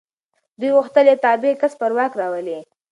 دوی غوښتل یو تابع کس پر واک راولي.